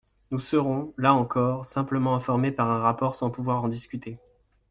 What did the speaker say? Nous serons, là encore, simplement informés par un rapport sans pouvoir en discuter.